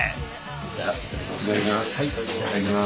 じゃあいただきます。